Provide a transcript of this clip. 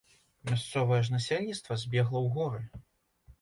Мясцовае ж насельніцтва збегла ў горы.